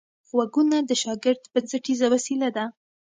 غوږونه د شاګرد بنسټیزه وسیله ده